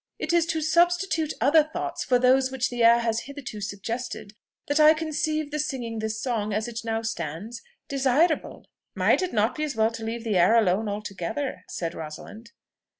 "It is to substitute other thoughts for those which the air has hitherto suggested that I conceive the singing this song, as it now stands, desirable." "Might it not be as well to leave the air alone altogether?" said Rosalind.